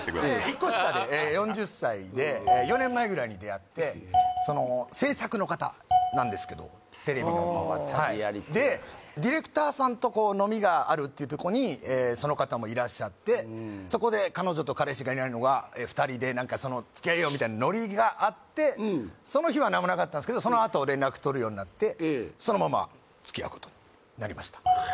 １個下で４０歳で４年前ぐらいに出会って制作の方なんですけどテレビのまたリアリティディレクターさんと飲みがあるっていうとこにその方もいらっしゃってそこで彼女と彼氏がいないのが２人で付き合えよみたいなノリがあってその日は何もなかったんすけどそのあと連絡とるようになってそのまま付き合うことになりました